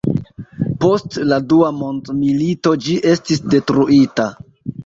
Post la dua mondmilito ĝi estis detruita.